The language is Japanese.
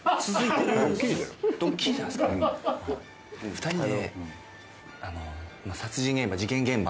２人で。